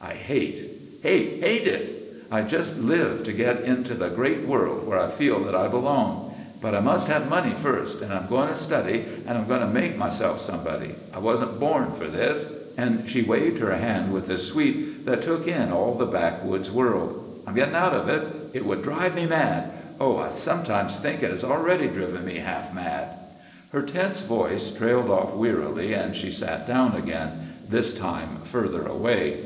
"I hate, hate, hate it! I just live to get out into the great world, where I feel that I belong. But I must have money first. And I'm going to study, and I'm going to make myself somebody. I wasn't born for this." And she waved her hand with a sweep that took in all the backwoods world. "I'm getting out of it. It would drive me mad. Oh, I sometimes think it has already driven me half mad." Her tense voice trailed off wearily, and she sat down again—this time further away.